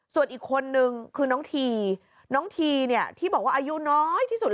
ส่วนอีกคนนึงคือน้องทีน้องทีเนี่ยที่บอกว่าอายุน้อยที่สุด